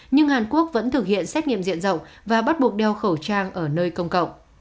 nhưng hàn quốc vẫn thực hiện xét nghiệm diện rộng và bắt buộc đeo khẩu trang ở nơi công cộng